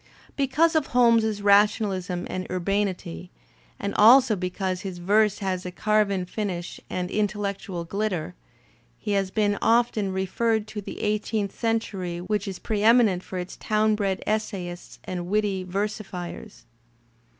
Because of Holmes's rationalism and urbanity, and also be cause his verse has a carven finish and intellectual glitter, he has been often referred to the eighteenth century which is preeminent for its town bred essayists and witty versifiers.